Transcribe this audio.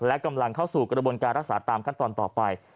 และกำลังเข้าสู่กระบวนการรักษาตามขั้นตอนต่อไป